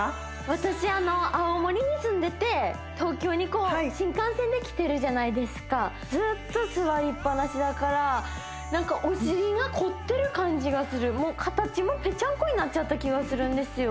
私青森に住んでて東京に新幹線で来てるじゃないですかずっと座りっぱなしだから何かお尻が凝ってる感じがするもう形もぺちゃんこになっちゃった気がするんですよ